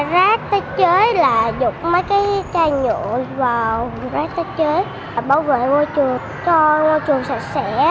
rác tách chế là dụng mấy cái chai nhựa vào rác tách chế bảo vệ môi trường cho môi trường sạch sẽ